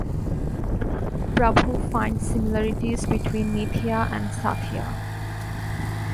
Prabhu finds similarities between Nithya and Sathya.